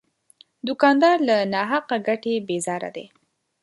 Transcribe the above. دوکاندار له ناحقه ګټې بیزاره دی.